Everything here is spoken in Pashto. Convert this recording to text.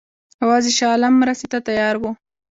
یوازې شاه عالم مرستې ته تیار وو.